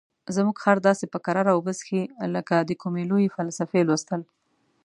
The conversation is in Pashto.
زموږ خر داسې په کراره اوبه څښي لکه د کومې لویې فلسفې لوستل.